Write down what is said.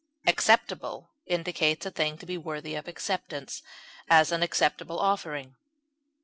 Acceptable indicates a thing to be worthy of acceptance; as, an acceptable offering.